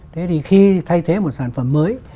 thế thì khi thay thế một sản phẩm mới